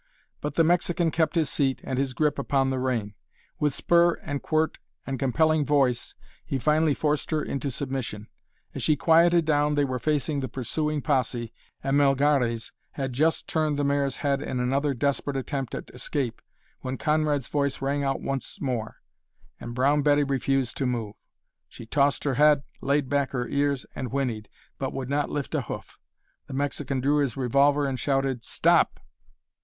But the Mexican kept his seat and his grip upon the rein. With spur and quirt and compelling voice he finally forced her into submission. As she quieted down they were facing the pursuing posse and Melgares had just turned the mare's head in another desperate attempt at escape when Conrad's voice rang out once more, and Brown Betty refused to move. She tossed her head, laid back her ears, and whinnied, but would not lift a hoof. The Mexican drew his revolver and shouted, "Stop!"